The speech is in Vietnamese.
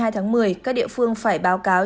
hai mươi tháng một mươi các địa phương phải báo cáo